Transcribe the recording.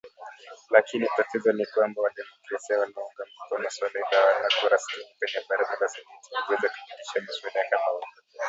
Lakini, tatizo ni kwamba wademokrasia wanaounga mkono suala hilo hawana kura sitini kwenye Baraza la Seneti kuweza kupitisha mswada kama huo